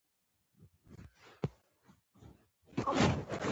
ښکلی قلم لیکل خوندور کوي.